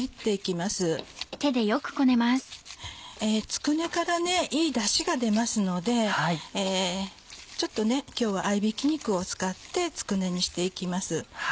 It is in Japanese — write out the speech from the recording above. つくねからいいダシが出ますので今日は合びき肉を使ってつくねにして行きます。